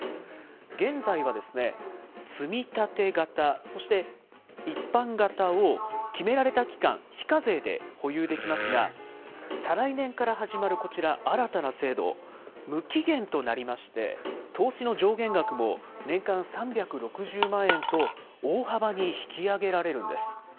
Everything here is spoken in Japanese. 現在は、つみたて型、そして一般型を決められた期間、非課税で保有できますが、再来年から始まるこちら、新たな制度、無期限となりまして、投資の上限額も年間３６０万円と、大幅に引き上げられるんです。